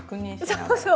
そうそう。